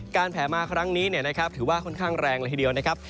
การแผ่มาครั้งนี้ถือว่าค่อนข้างแรงละทีเดียวนะครับ